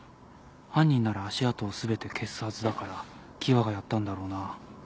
犯人なら足跡を全て消すはずだから喜和がやったんだろうな。